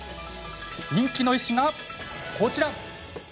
人気の石がこちら。